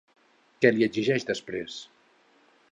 Què li exigeix després?